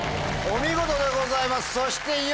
お見事でございます！